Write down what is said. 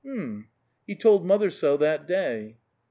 "Mm. He told mother so that day."